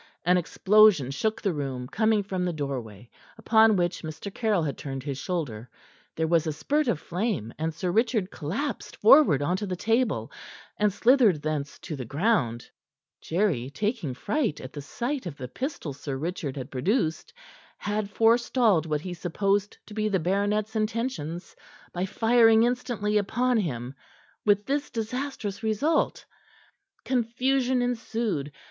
An explosion shook the room, coming from the doorway, upon which Mr. Caryll had turned his shoulder; there was a spurt of flame, and Sir Richard collapsed forward onto the table, and slithered thence to the ground. Jerry, taking fright at the sight of the pistol Sir Richard had produced, had forestalled what he supposed to be the baronet's intentions by firing instantly upon him, with this disastrous result. Confusion ensued. Mr.